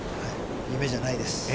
夢じゃないです。